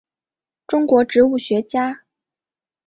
中国植物学家。